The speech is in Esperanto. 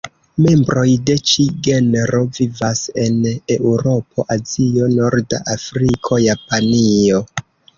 Membroj de ĉi genro vivas en Eŭropo, Azio, Norda Afriko, Japanio.